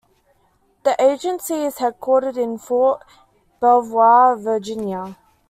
The agency is headquartered in Fort Belvoir, Virginia.